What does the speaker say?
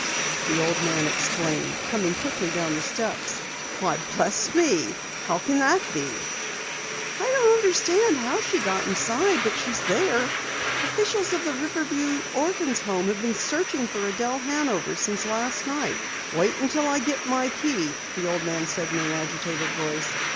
the old man exclaimed, coming quickly down the steps. "Why bless me! How can that be?" "I don't understand how she got inside, but she's there! Officials of the Riverview Orphans' Home have been searching for Adelle Hanover since last night." "Wait until I get my key," the old man said in an agitated voice.